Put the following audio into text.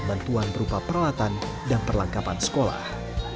bantuan berupa peralatan dan perlengkapan sekolah